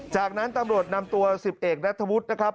จากนั้นตำรวจนำตัว๑๐เอกนัทธวุฒินะครับ